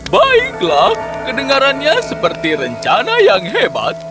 baiklah kedengarannya seperti rencana yang hebat